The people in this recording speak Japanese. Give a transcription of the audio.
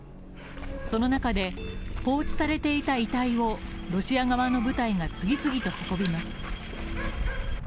その中で、放置されていた遺体をロシア側の部隊が次々と運びます。